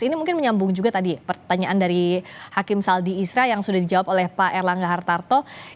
ini mungkin menyambung juga tadi pertanyaan dari hakim saldi isra yang sudah dijawab oleh pak erlangga hartarto